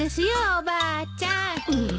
おばあちゃん。